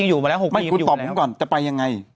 ก็ตอบผมก่อนจะไปยังไง